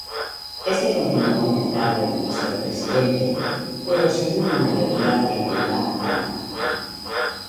Este continuó en el cargo de ministro-presidente, pero sin una mayoría en el Landtag.